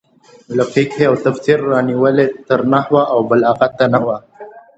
له فقهې او تفسیره رانیولې تر نحو او بلاغته نه وو.